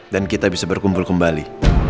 dan kita bisa berkumpul kembali